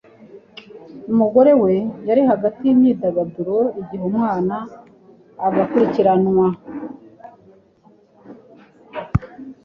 umugore we. yari hagati yimyidagaduro igihe umwana, agakurikirwa na